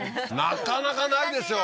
なかなかないでしょ